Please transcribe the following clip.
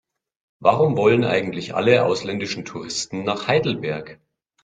Warum wollen eigentlich alle ausländischen Touristen nach Heidelberg?